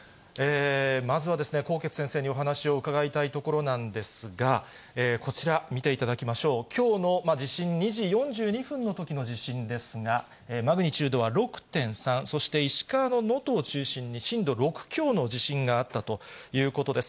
まずは、纐纈先生にお話を伺いたいところなんですが、こちら見ていただきましょう、きょうの地震、２時４２分のときの地震ですが、マグニチュードは６．３、そして石川の能登を中心に、震度６強の地震があったということです。